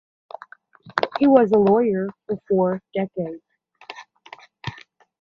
He was lawyer for four decades.